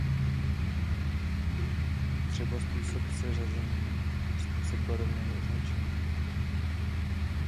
Třeba způsob seřazení, způsob barevného označení.